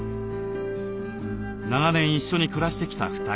長年一緒に暮らしてきた２人。